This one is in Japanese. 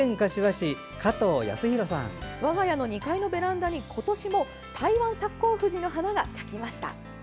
我が家の２階のベランダに今年も台湾サッコウフジの花が咲きました。